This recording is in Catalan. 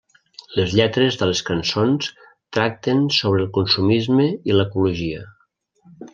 Les lletres de les cançons tracten sobre el consumisme i l'ecologia.